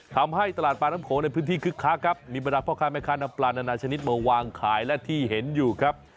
ทำให้ตลาดปลาน้ำโขงในพื้นที่คึกคักครับมีบรรดาพ่อค้าแม่ค้านำปลานานาชนิดมาวางขายและที่เห็นอยู่ครับ